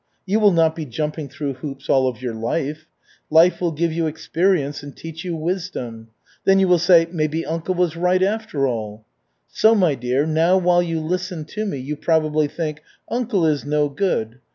You will not be jumping through hoops all of your life. Life will give you experience and teach you wisdom. Then you will say, 'Maybe uncle was right after all.' So, my dear, now while you listen to me, you probably think, 'Uncle is no good.